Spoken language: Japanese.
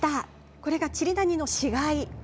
これがチリダニの死骸。